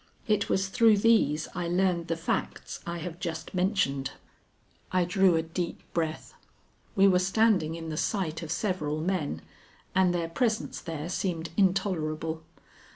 It was through these I learned the facts I have just mentioned." I drew a deep breath. We were standing in the sight of several men, and their presence there seemed intolerable.